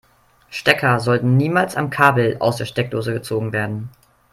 Stecker sollten niemals am Kabel aus der Steckdose gezogen werden.